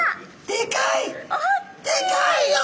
でかいよ！